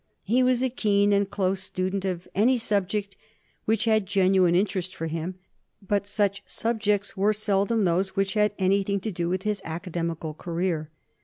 He was a keen and close student of any subject which had genuine interest for him, but such subjects were seldom those which had anything to do with his academical career.